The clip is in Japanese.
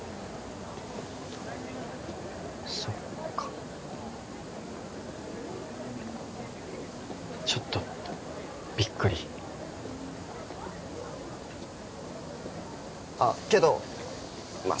そっかちょっとビックリあけどまあ